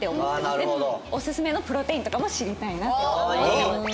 でおすすめのプロテインとかも知りたいなと思ってます。